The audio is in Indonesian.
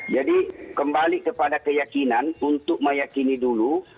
jadi kembali kepada keyakinan untuk meyakini dulu